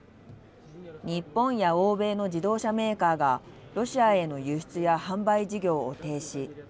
日本や欧米の自動車メーカーがロシアへの輸出や販売事業を停止。